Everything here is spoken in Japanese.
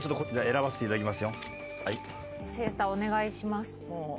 精査お願いします。